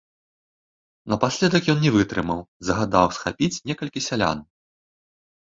Напаследак ён не вытрымаў, загадаў схапіць некалькі сялян.